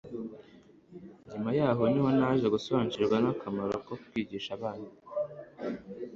Nyuma yaho niho naje gusobanukirwa nakamaro ko kwigisha abana